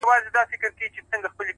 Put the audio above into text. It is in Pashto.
ځوان يوه غټه ساه ورکش کړه!!